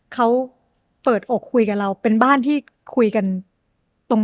เขาเปิดอกคุยกับเราเป็นบ้านที่คุยกันตรง